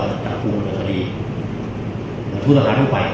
เยอะตัดภูมิอยอสรีภูตหาทั้งวัย